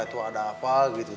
itu ada apa